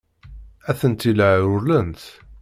Atenti la rewwlent.